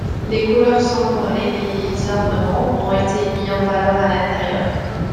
Les couleurs sombres et les ornements ont été mis en valeur à l'intérieur.